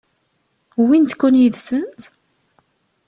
Wwint-ken yid-sent?